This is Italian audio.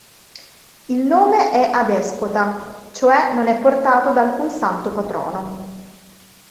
Il nome è adespota, cioè non è portato da alcun santo patrono.